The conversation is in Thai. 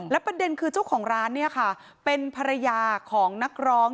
ประเด็นคือเจ้าของร้านเนี่ยค่ะเป็นภรรยาของนักร้อง